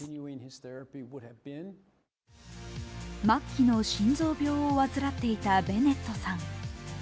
末期の心臓病を患っていたベネットさん。